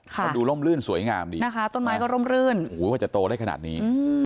มันดูร่มลื่นสวยงามดีนะคะต้นไม้ก็ร่มรื่นกว่าจะโตได้ขนาดนี้